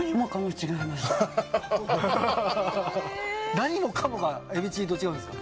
何もかもがエビチリと違うんですか？